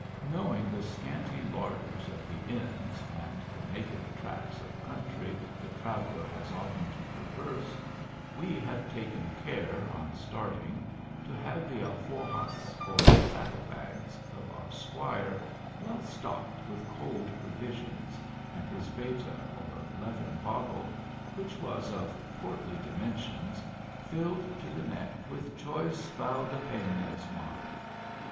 Knowing the scanty larders of the inns, and the naked tracts of country the trav eller has often to traverse, we had taken care, on starting, to have the alforjas, or saddle bags, of our Squire well stocked with cold provisions, and his beta, or leathern bottle, which was of portly dimen sions, filled to the neck with choice Valdepenas wine.